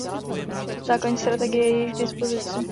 Základní strategie je již k dispozici.